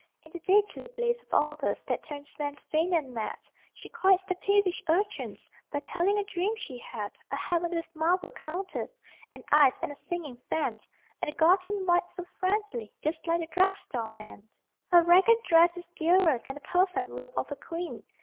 In the deadly blaze of August, That turns men faint and mad, She quiets the peevish urchins By telling a dream she had A heaven with marble counters, And ice, and a singing fan; And a God in white, so friendly, Just like the drug store man. Her ragged dress is dearer Than the perfect robe of a queen!